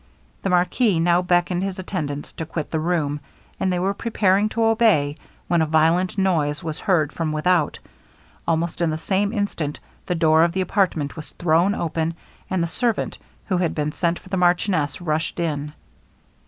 The marquis now beckoned his attendants to quit the room, and they were preparing to obey, when a violent noise was heard from without; almost in the same instant the door of the apartment was thrown open, and the servant, who had been sent for the marchioness, rushed in.